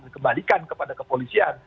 kembalikan kepada kepolisian